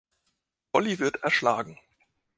Bolli wird erschlagen.